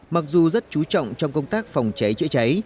mặc dù rất chú trọng trong công tác phòng cháy chữa cháy